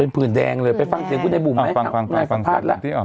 เป็นพื้นแดงเลยไปฟังเสียงกูได้บูมไหมไม่สะพาดแล้ว